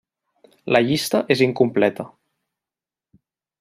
La llista és incompleta.